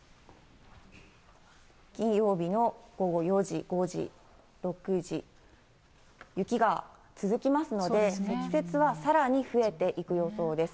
金曜日の午後４時、５時、６時、雪が続きますので、積雪はさらに増えていく予想です。